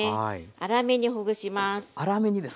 粗めにほぐします。